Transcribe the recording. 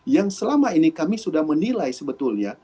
yang selama ini kami sudah menilai sebetulnya